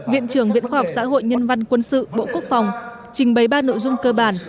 viện trưởng viện khoa học xã hội nhân văn quân sự bộ quốc phòng trình bày ba nội dung cơ bản